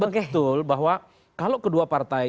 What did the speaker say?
betul bahwa kalau kedua partai